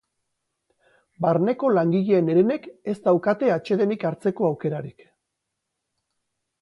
Barneko langileen herenek ez daukate atsedenik hartzeko aukerarik.